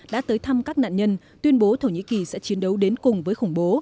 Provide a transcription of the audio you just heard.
đã tới thăm các nạn nhân tuyên bố thổ nhĩ kỳ sẽ chiến đấu đến cùng với khủng bố